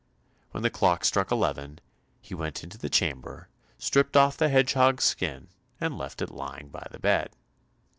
When the clock struck eleven, he went into the chamber, stripped off the hedgehog's skin, and left it lying by the bed.